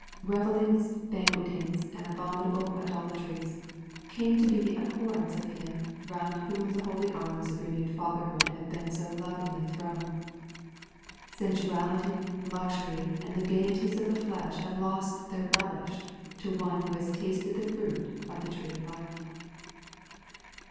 'Eevellings, banquetings, and abominable idolatries,' come to be the abhorrence of him round whom the holy arms of renewed fatherhood have been so lovingly thrown. Sensuality, luxury, and the gaieties of the flesh have lost their relish to one who has tasted the fruit of the tree of life.